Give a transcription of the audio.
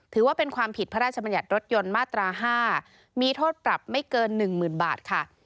ถือว่าเป็นความผิดพระราชบัญญัติรถยนต์มาตรา๕มีโทษปรับไม่เกิน๑๐๐๐บาทค่ะ